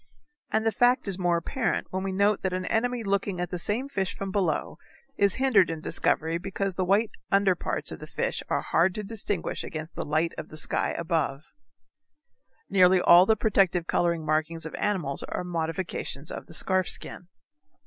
And the fact is more apparent when we note that an enemy looking at the same fish from below is hindered in discovery because the white under parts of the fish are hard to distinguish against the light of the sky above. Nearly all the protective color markings of animals are modifications of the scarf skin.